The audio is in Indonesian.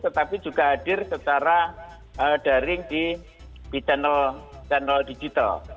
jadi harus hadir secara daring di channel digital